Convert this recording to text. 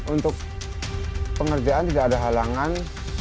untuk pengerjaan tidak ada halangan